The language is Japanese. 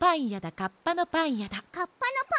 カッパのパンやだ。